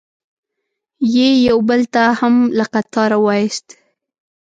یې یو بل تن هم له قطاره و ایست.